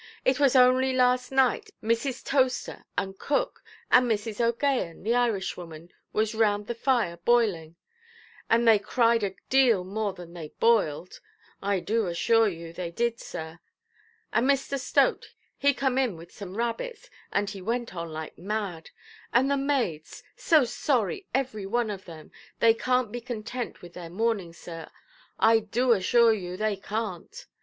It was only last night Mrs. Toaster, and cook, and Mrs. OʼGaghan, the Irishwoman, was round the fire boiling, and they cried a deal more than they boiled, I do assure you they did, sir. And Mr. Stote, he come in with some rabbits, and he went on like mad. And the maids, so sorry every one of them, they canʼt be content with their mourning, sir; I do assure you they canʼt.